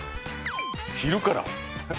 昼から。